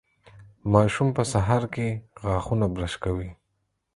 ماشوم په سهار کې غاښونه برش کوي.